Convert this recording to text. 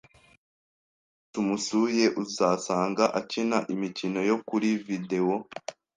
Igihe cyose umusuye, uzasanga akina imikino yo kuri videwo.